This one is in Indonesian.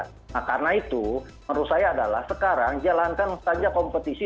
nah karena itu menurut saya adalah sekarang jalankan saja kompetisi